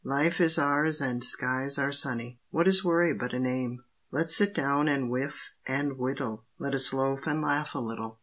Life is ours and skies are sunny; What is worry but a name? Let's sit down and whiff and whittle, Let us loaf and laugh a little.